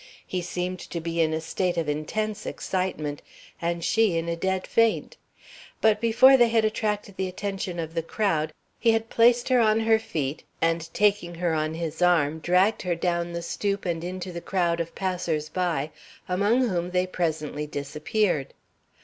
He seemed to be in a state of intense excitement, and she in a dead faint; but before they had attracted the attention of the crowd, he had placed her on her feet, and, taking her on his arm, dragged her down the stoop and into the crowd of passers by, among whom they presently disappeared.